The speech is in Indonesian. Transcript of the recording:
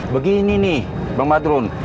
begini nih bang badrun